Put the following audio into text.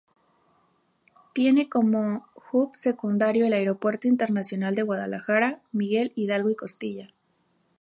Tiene como hub secundario el Aeropuerto Internacional de Guadalajara "Miguel Hidalgo y Costilla".